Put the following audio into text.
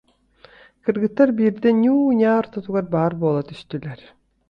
Кыргыттар биирдэ ньуу-ньаа ортотугар баар буола түстүлэр